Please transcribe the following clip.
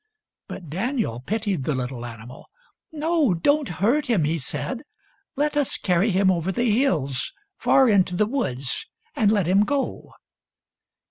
But Daniel pitied the little animal. " No, don't hurt him," he said. " Let us carry him over the hills, far into the woods, and let him go."